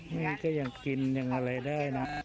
นี่ก็ยังกินยังอะไรได้นะ